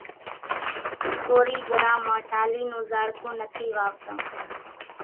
ڪورِي گھران مان ٽالِي نون زاڙکون نٿِي واوتان۔